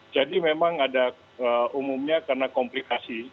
jadi memang ada umumnya karena komplikasi